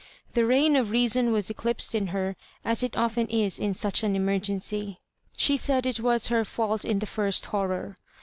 The reign of reason was eclipsed in her as it often is in such an emergency. She said it was her fault in the first horror.